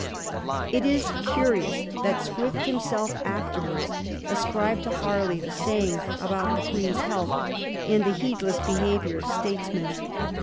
It is curious that Swift himself afterwards ascribed to Harley the saying about the Queen's health and the heedless behaviour of statesman.